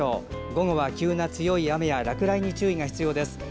午後は急な強い雨や落雷に注意が必要です。